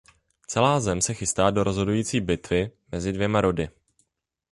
Celá zem se chystá do rozhodující bitvy mezi dvěma rody.